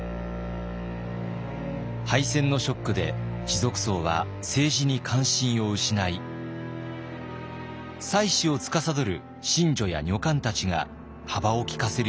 敗戦のショックで士族層は政治に関心を失い祭祀をつかさどる神女や女官たちが幅を利かせるようになります。